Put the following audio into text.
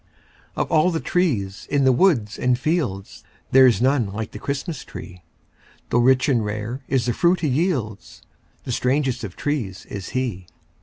Of all the trees in the woods and fields There's none like the Christmas tree; Tho' rich and rare is the fruit he yields, The strangest of trees is he.